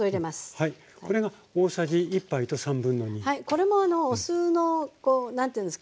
これもお酢の何て言うんですか。